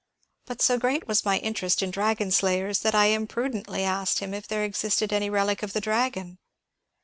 But so great was my interest in dragon slayers that I imprudently asked him if there existed any relic of the dragon.